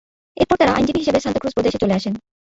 এরপর তারা আইনজীবী হিসেবে সান্তা ক্রুজ প্রদেশে চলে আসেন।